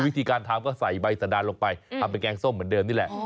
วิธีการทำก็ใส่ใบสดานลงไปทำเป็นแกงส้มเหมือนเดิมนี่แหละ